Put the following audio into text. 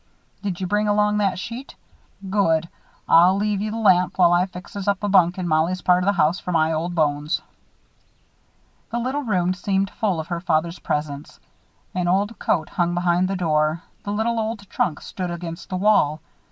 Did you bring along that sheet? Good. I'll leave you the lamp while I fixes up a bunk in Mollie's part of the house for my old bones." The little room seemed full of her father's presence. An old coat hung behind the door. The little old trunk stood against the wall.